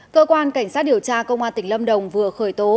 cơ quan cảnh sát điều tra công an tỉnh lâm đồng vừa khởi tố